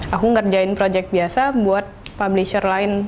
aku ngerjain proyek biasa buat publisher lain